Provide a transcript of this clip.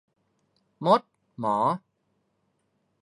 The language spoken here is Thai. มด-หมอ